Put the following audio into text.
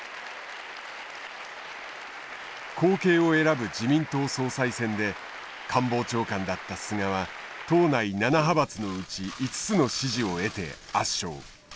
後継を選ぶ自民党総裁選で官房長官だった菅は党内７派閥のうち５つの支持を得て圧勝。